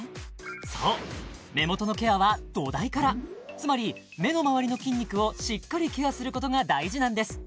そう目元のケアは土台からつまり目の周りの筋肉をしっかりケアすることが大事なんです